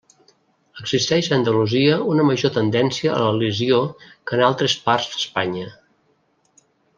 Existeix a Andalusia una major tendència a l'elisió que en altres parts d'Espanya.